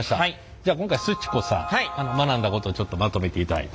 じゃあ今回すち子さん学んだことをちょっとまとめていただいて。